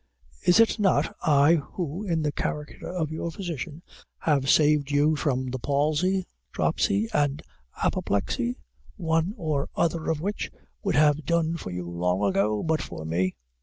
Is it not I who, in the character of your physician, have saved you from the palsy, dropsy, and apoplexy? one or other of which would have done for you long ago, but for me.